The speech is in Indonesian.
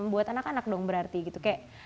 buat anak anak dong berarti gitu kayak